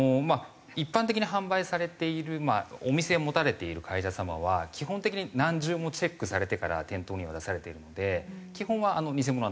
一般的に販売されているお店を持たれている会社様は基本的に何重もチェックされてから店頭には出されているので基本は偽物はないと思います。